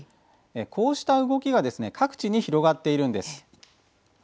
こうした動きが各地に広がっているんです。